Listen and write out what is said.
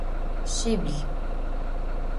Şsibl.